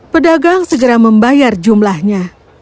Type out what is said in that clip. pedagang segera membayar jumlahnya